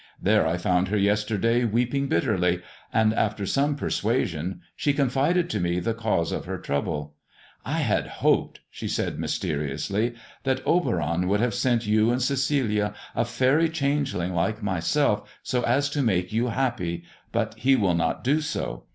There I found her yesterday weeping bitterly, and after some persuasion she confided to me the cause of her trouble. "*I had hoped,' she said mysteriously, *that Oberon would have sent you and Celia a faery changeling like myself so as to make you happy, but he will not do so.